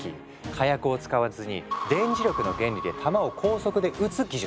火薬を使わずに電磁力の原理で弾を高速で撃つ技術。